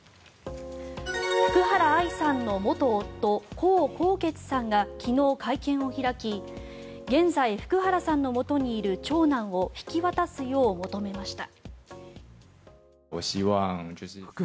福原愛さんの元夫コウ・コウケツさんが昨日、会見を開き現在、福原さんのもとにいる長男を引き渡すよう求めました。